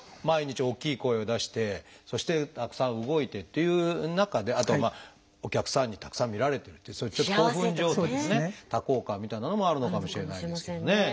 毎日大きい声を出してそしてたくさん動いてっていう中であとはお客さんにたくさん見られてるっていうそういうちょっと興奮状態もね多幸感みたいなのもあるのかもしれないですけどね。